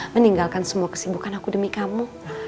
meninggalkan semua kesibukan aku demi kamu